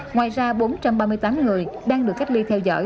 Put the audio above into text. ngoài ra bốn trăm ba mươi tám người đang được cách ly theo dõi